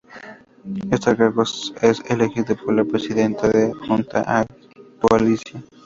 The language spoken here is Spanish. Este cargo es elegido por la Presidenta de la Junta de Andalucía.